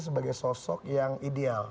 sebagai sosok yang ideal